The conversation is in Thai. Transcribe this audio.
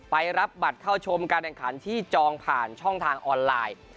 รับบัตรเข้าชมการแข่งขันที่จองผ่านช่องทางออนไลน์